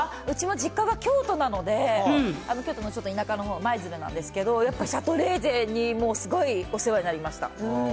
うちも実家が京都なので、京都のちょっと田舎のほう、舞鶴なんですけど、やっぱシャトレーゼにもうすごいお世話になりました。